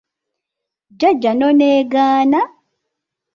Jjajja n'onneegaana!